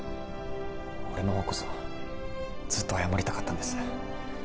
俺のほうこそずっと謝りたかったんです